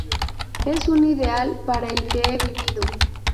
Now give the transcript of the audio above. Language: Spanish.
Es un ideal para el que he vivido.